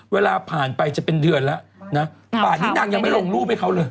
เวลาผ่านไปจะเป็นเดือนแล้วนะป่านนี้นางยังไม่ลงรูปให้เขาเลย